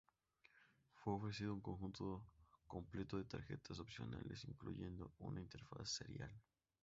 Fue ofrecido un conjunto completo de tarjetas opcionales, incluyendo una interfaz serial.